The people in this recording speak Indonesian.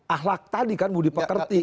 ahlak tadi kan mau diperkerti